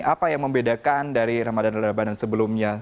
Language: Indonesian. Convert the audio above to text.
apa yang membedakan dari ramadan dan ramadan sebelumnya